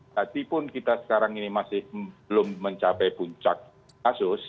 walaupun kita sekarang ini masih belum mencapai puncak kasus